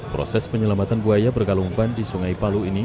proses penyelamatan buaya bergalung ban di sungai palu ini